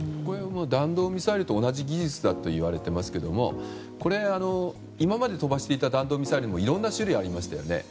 弾道ミサイルと同じ技術だといわれていますけれどもこれ、今まで飛ばしていた弾道ミサイルもいろんな種類がありましたよね。